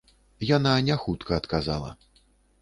Яна не хутка адказала.